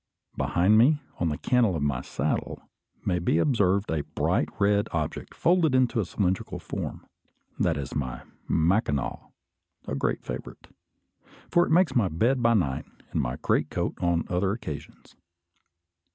Behind me, on the cantle of my saddle, may be observed a bright red object folded into a cylindrical form. That is my "Mackinaw," a great favourite, for it makes my bed by night and my greatcoat on other occasions.